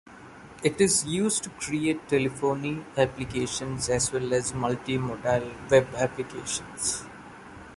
It is used to create telephony applications as well as multimodal web applications.